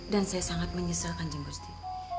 dan saya sangat menyesalkan jeng gusti